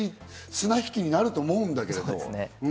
綱引きになると思うんだけど。